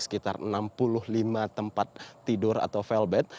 sekitar enam puluh lima tempat tidur atau velvet